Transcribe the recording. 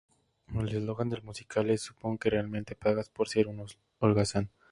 El eslogan del musical es ‘Supongo que realmente pagas por ser un holgazán’.